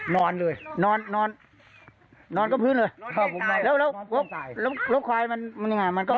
เห้ยนู้นอยู่บนเคราะห์